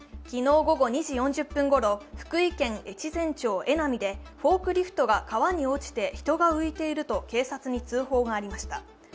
昨日午後２時４０分頃、福井県越前町江波でフォークリフト川に落ちて人が浮いていると警察に通報がありました。